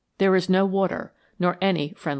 There is no water, nor any friendly tree.